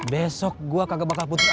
besok gua kagak bakal putus asa